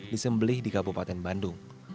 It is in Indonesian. disembelih di kabupaten bandung